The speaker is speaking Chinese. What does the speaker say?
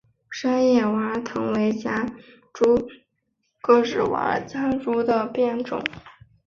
光叶娃儿藤为夹竹桃科娃儿藤属娃儿藤的变种。